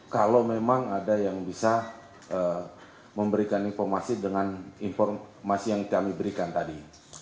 kalau memang ada yang bisa memberikan informasi dengan informasi yang kami berikan tadi